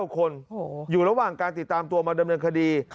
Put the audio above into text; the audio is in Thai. ๙คนอยู่ระหว่างการติดตามตัวมาดำเนินคดี